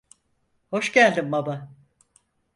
Hoş geldin baba.